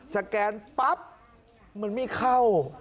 สแกนปั๊บมันไม่เข้า